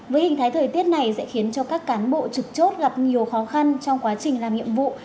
với hình thái thời tiết này sẽ khiến cho các cán bộ trực chốt gặp nhiều khó khăn trong quá trình làm nhiệm vụ